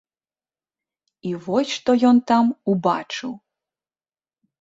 І вось што ён там убачыў.